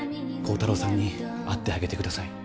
耕太郎さんに会ってあげて下さい。